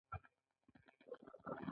موږ د جسم په ځانګړتیاوو بحث کوو.